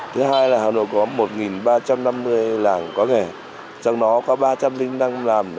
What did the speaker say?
thứ hai là hà nội có một ba trăm năm mươi làng có nghề trong đó có ba trăm linh năm làm